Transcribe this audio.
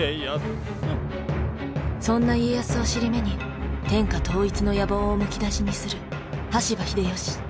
そんな家康を尻目に天下統一の野望をむき出しにする羽柴秀吉。